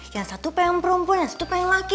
yang satu pengen perempuan yang satu pengen laki